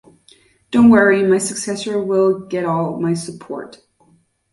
Don't worry, my successor will get all my support.